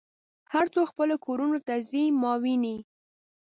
هر څوک خپلو کورونو ته ځي ما وینې.